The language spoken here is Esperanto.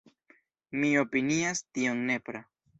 Mi opinias tion nepra.